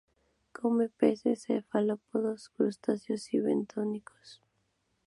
Come peces, cefalópodos y crustáceos bentónicos.